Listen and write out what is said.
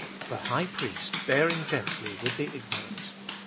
THE HIGH PRIEST BEARING GENTLY WITH THE IGNORANT.